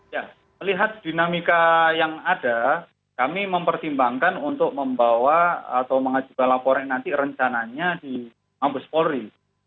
ya melihat dinamika yang ada kami mempertimbangkan untuk membawa atau mengajukan laporan nanti rencananya di mabes polri